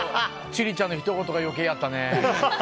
千里ちゃんのひと言が余計やったね。